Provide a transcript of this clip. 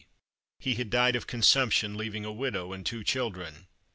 He had died of consumption, leaying a widow and two children.